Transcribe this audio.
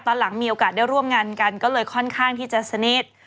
ตอนหลังมีโอกาสได้ร่วมงานกันก็เลยค่อนข้างที่จะสนิท